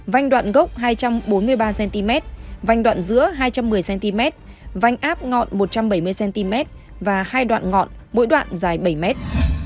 vanh đoạn gốc hai trăm bốn mươi ba cm vành đoạn giữa hai trăm một mươi cm vanh áp ngọn một trăm bảy mươi cm và hai đoạn ngọn mỗi đoạn dài bảy mét